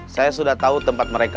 saya sudah tahu tempat mereka